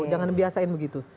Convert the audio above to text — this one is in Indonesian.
jangan dibiasakan begitu